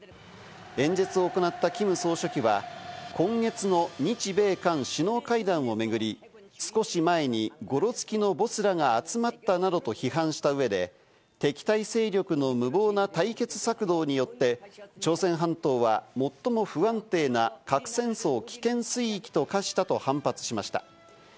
演説を行ったキム総書記は、今月の日米韓首脳会談を巡り、少し前にごろつきのボスらが集まったなどと批判した上で、敵対勢力の無謀な対決策動によって朝鮮半島は最も不安定な核戦争危険水域と化したと反発しました。